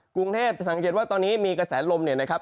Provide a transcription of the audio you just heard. กรุงเทพจะสังเกตว่าตอนนี้มีกระแสลมเนี่ยนะครับ